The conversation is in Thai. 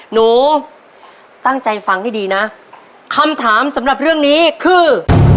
หนูตั้งใจฟังให้ดีนะคำถามสำหรับเรื่องนี้คือ